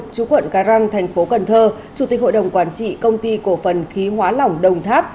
chú quận cái răng thành phố cần thơ chủ tịch hội đồng quản trị công ty cổ phần khí hóa lỏng đồng tháp